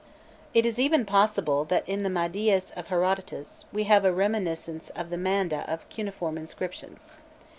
It is even possible that in the Madyes of Herodotos, we have a reminiscence of the Manda of the cuneiform inscriptions.